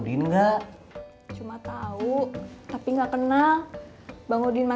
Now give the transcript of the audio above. nih gue tugas negara dulu